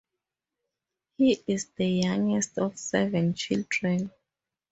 He is the youngest of seven children.